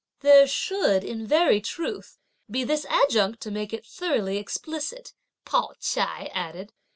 "There should, in very truth, be this adjunct to make it thoroughly explicit!" Pao ch'ai added.